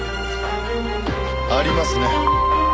ありますね。